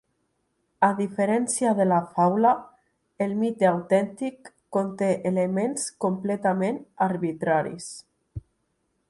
A diferència de la faula, el mite autèntic conté elements completament arbitraris.